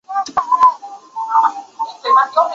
格雷涅蒙特贡。